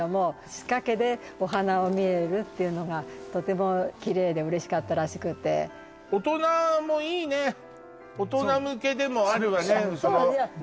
仕掛けでお花を見れるっていうのがとても綺麗で嬉しかったらしくて大人向けでもあるわねそうそうそうなんですよ